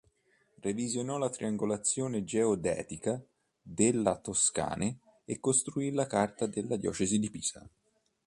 Revisionò la triangolazione geodetica della Toscane e costruì la carta della diocesi di Pisa.